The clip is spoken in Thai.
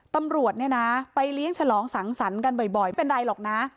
ตำรวจเนี่ยนะไปเลี้ยงฉลองสังสรรค์กันบ่อยไม่เป็นไรหรอกนะ